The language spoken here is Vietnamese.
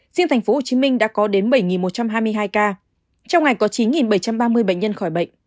riêng tp hcm đã có đến bảy một trăm hai mươi hai ca trong ngày có chín bảy trăm ba mươi bệnh nhân khỏi bệnh